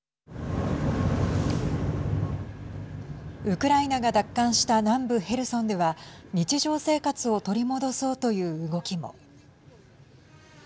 ウクライナが奪還した南部ヘルソンでは日常生活を取り戻そうという動きも。